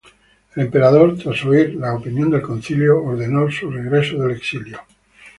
El emperador, tras oír la opinión del Concilio, ordenó su regreso del exilio.